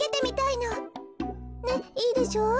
ねっいいでしょう？